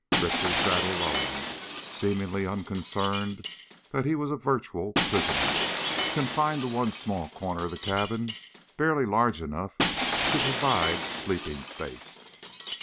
Richter sat alone, seemingly unconcerned that he was a virtual prisoner, confined to one small corner of the cabin barely large enough to provide sleeping space.